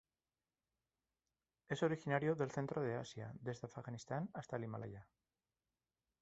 Es originario del centro de Asia desde Afganistán hasta el Himalaya.